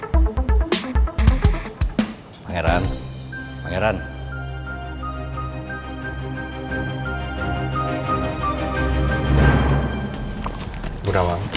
saya kesini hanya ingin memberi file ini